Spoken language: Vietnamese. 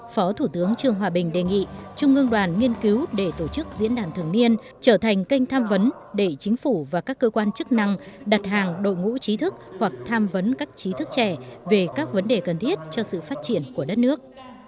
phó thủ tướng trương hòa bình đề nghị trung ương đoàn nghiên cứu để tổ chức diễn đàn thường niên trở thành kênh tham vấn để chính phủ và các cơ quan chức năng đặt hàng đội ngũ trí thức hoặc tham vấn các trí thức trẻ về các vấn đề cần thiết cho sự phát triển của đất nước